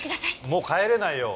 もう帰れないよ。